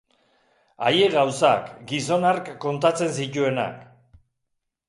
Haiek gauzak, gizon hark kontatzen zituenak!